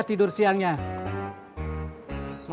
apa buang kah